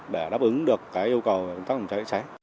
để đáp ứng được yêu cầu của công tác phòng trái trịa trái